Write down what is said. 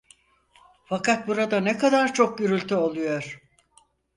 Fakat burada ne kadar çok gürültü oluyor.